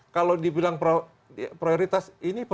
kalau dibilang prioritas